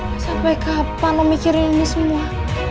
lo sampai kapan lo mikirin ini semua